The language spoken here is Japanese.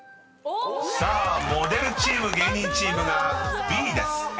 ［さあモデルチーム芸人チームがＢです］